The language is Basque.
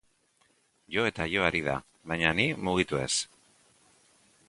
Jo eta jo ari da, baina ni mugitu ez.